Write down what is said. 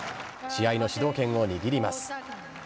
試合の主導権を握ります。